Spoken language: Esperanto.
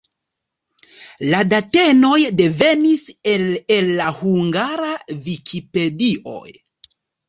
La datenoj devenis el la Hungara Vikipedio.